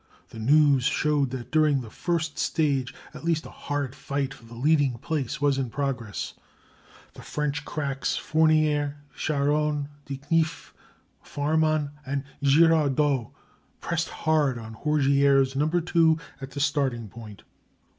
The news showed that during the first stage at least a hard fight for the leading place was in progress. The French cracks, Fournier, Charron, De Knyff, Farman, and Girardot pressed hard on Hourgières, No. 2 at the starting point.